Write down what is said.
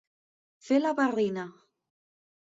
Fer la barrina.